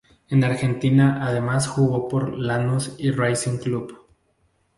En Argentina además jugó por Lanús y Racing Club.